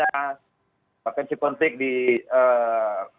dan juga konflik konflik di indonesia